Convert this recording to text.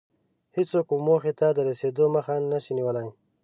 هېڅوک مو موخې ته د رسېدو مخه نشي نيولی.